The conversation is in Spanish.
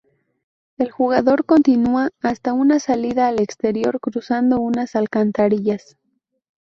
El jugador continúa hasta una salida al exterior, cruzando unas alcantarillas.